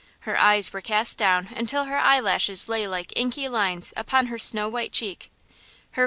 Her eyes were cast down until her eyelashes lay like inky lines upon her snow white cheek.